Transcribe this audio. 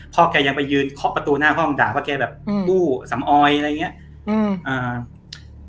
แกยังไปยืนเคาะประตูหน้าห้องด่าว่าแกแบบอืมบู้สำออยอะไรอย่างเงี้ยอืมอ่า